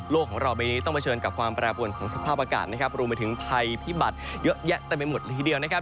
ของเราใบนี้ต้องเผชิญกับความแปรปวนของสภาพอากาศนะครับรวมไปถึงภัยพิบัตรเยอะแยะเต็มไปหมดละทีเดียวนะครับ